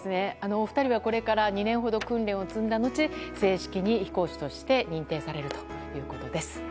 お二人はこれから２年ほど訓練を積んだのち飛行士として認定されるということです。